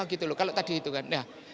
kalau tadi itu kan